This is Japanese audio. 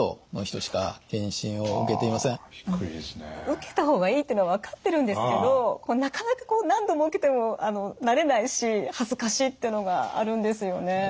受けた方がいいってのは分かってるんですけどなかなか何度受けても慣れないし恥ずかしいっていうのがあるんですよね。